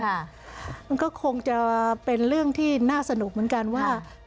มันก็คงจะเป็นเรื่องที่น่าสนุกเหมือนกันว่า